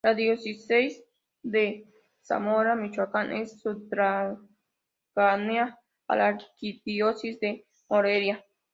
La Diócesis de Zamora, Michoacán es sufragánea a la Arquidiócesis de Morelia.